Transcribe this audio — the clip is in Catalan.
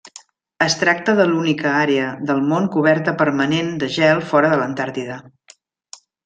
Es tracta de l'única àrea del món coberta permanent de gel fora de l'Antàrtida.